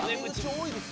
多いです